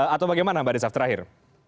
atau bagaimana mbak desaf terakhir